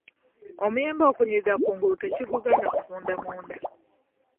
Omuyembe okunyirira kungulu tekigugaana kuvunda munda.